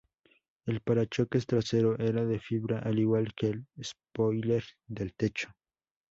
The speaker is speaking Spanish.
El parachoques trasero era de fibra, al igual que el spoiler del techo.